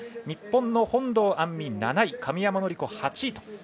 日本の本堂杏実、７位神山則子、８位。